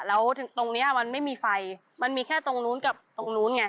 แล้วตรงเนี้ยมันไม่มีไฟมันมีแค่ตรงนู้นกับตรงนู้นไง